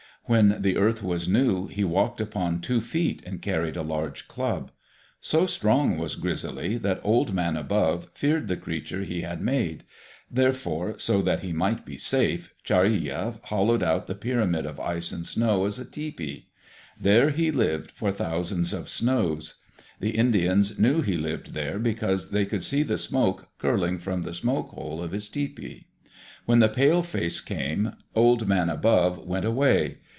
When the earth was new he walked upon two feet and carried a large club. So strong was Grizzly that Old Man Above feared the creature he had made. Therefore, so that he might be safe, Chareya hollowed out the pyramid of ice and snow as a tepee. There he lived for thousands of snows. The Indians knew he lived there because they could see the smoke curling from the smoke hole of his tepee. When the pale face came, Old Man Above went away.